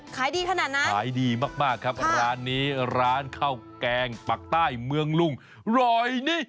ขายดีขนาดนั้นค่ะร้านนี้ร้านข้าวแกงปักใต้เมืองลุงรอยนี้